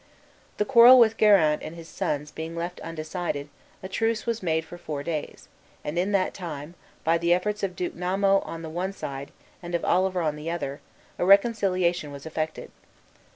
The quarrel with Guerin and his sons being left undecided, a truce was made for four days, and in that time, by the efforts of Duke Namo on the one side, and of Oliver on the other, a reconciliation was effected.